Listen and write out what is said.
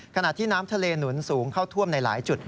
ขณะที่น้ำทะเลหนุนสูงเข้าท่วมในหลายจุด